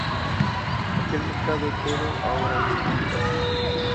Aquel mercado entero es ahora Comcast.